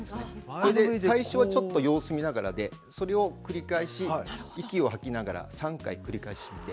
それで最初はちょっと様子見ながらでそれを繰り返し息を吐きながら３回繰り返してみて。